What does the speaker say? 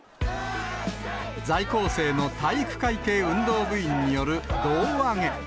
在校生の体育会系運動部員による胴上げ。